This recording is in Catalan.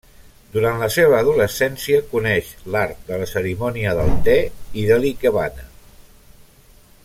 Durant la seva adolescència, coneix l'art de la cerimònia del te i de l'ikebana.